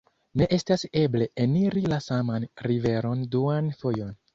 ne estas eble eniri la saman riveron duan fojon.